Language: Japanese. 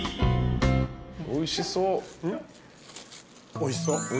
おいしそう。